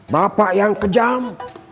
bapak yang kejam